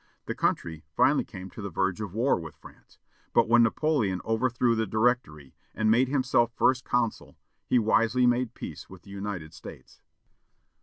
The country finally came to the verge of war with France, but when Napoleon overthrew the Directory, and made himself First Consul, he wisely made peace with the United States.